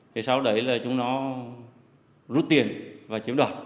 thì sau đấy là chúng nó rút tiền và chiếm đoạt